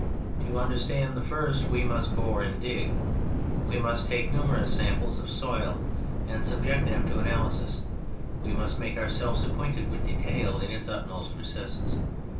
To understand the first we must bore and dig, we must take numerous samples of soil and subject them to analysis, we must make ourselves acquainted with detail in its utmost recesses.